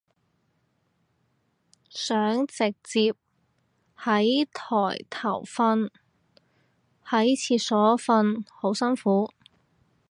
想直接喺枱頭瞓，喺廁所瞓好辛苦